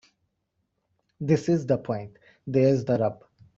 This is the point. There's the rub.